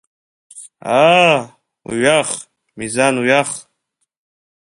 Аа, уҩах, Мизан, уҩах!